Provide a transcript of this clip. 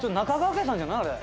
あれ。